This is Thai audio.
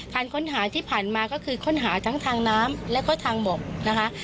ค้นหาที่ผ่านมาก็คือค้นหาทั้งทางน้ำและก็ทางบกนะคะ